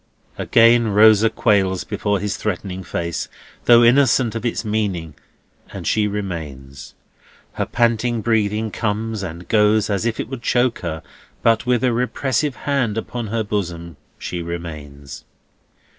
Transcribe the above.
Again Rosa quails before his threatening face, though innocent of its meaning, and she remains. Her panting breathing comes and goes as if it would choke her; but with a repressive hand upon her bosom, she remains.